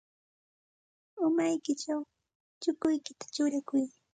Umaykićhaw chukuykita churaykuy.